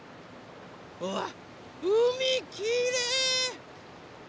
うわっうみきれい！